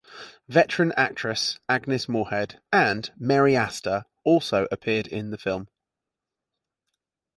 Veteran actresses Agnes Moorehead and Mary Astor also appeared in the film.